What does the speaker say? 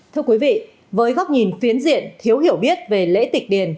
thưa quý vị với góc nhìn phiến diện thiếu hiểu biết về lễ tịch điền